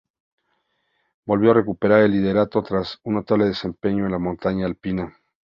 Volvió a recuperar el liderato tras un notable desempeño en la montaña alpina.